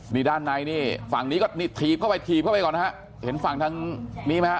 นี่ด้านในนี่ฝั่งนี้ก็นี่ถีบเข้าไปถีบเข้าไปก่อนนะฮะเห็นฝั่งทางนี้ไหมฮะ